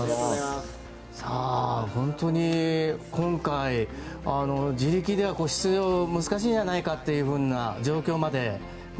本当に今回、自力では出場が難しいんじゃないかという状況まで。